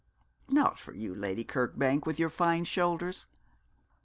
_' 'Not for you, Lady Kirkbank, with your fine shoulders.